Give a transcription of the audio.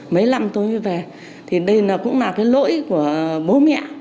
mấy năm tôi mới về thì đây cũng là cái lỗi của bố mẹ